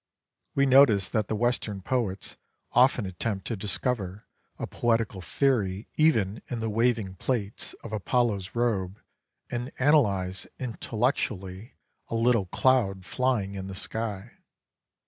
We notice that the Western poets often attempt to discover a poetical theory even in the waving plaits of Apollo's robe and analyse intellectually a little cloud flying in the sky.